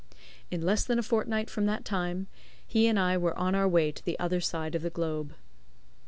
In less than a fortnight from that time he and I were on our way to the other side of the globe.